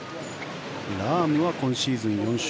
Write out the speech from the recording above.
ラームは今シーズン、４勝。